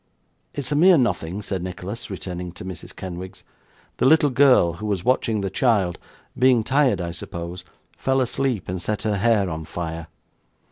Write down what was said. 'It is a mere nothing,' said Nicholas, returning to Mrs. Kenwigs; 'the little girl, who was watching the child, being tired I suppose, fell asleep, and set her hair on fire.